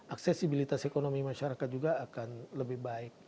aksesibilitas ekonomi masyarakat juga akan lebih baik